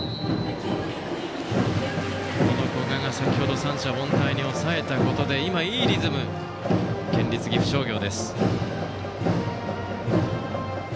この古賀が先程三者凡退に抑えたことで今、いいリズムの県立岐阜商業。